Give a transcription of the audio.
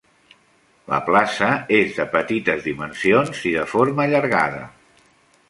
La plaça és de petites dimensions i de forma allargada.